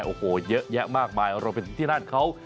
โอ้โหเยอะแยะมากมายเอาเราเป็นที่ด้านเขา